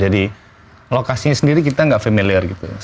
jadi lokasinya sendiri kita gak familiar gitu